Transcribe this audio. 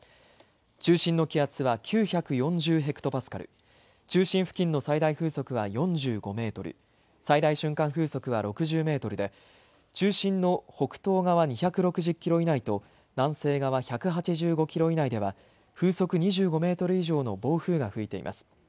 中心の気圧は９４０ヘクトパスカル、中心付近の最大風速は４５メートル、最大瞬間風速は６０メートルで中心の北東側２６０キロ以内と南西側１８５キロ以内では風速２５メートル以上の暴風が吹いています。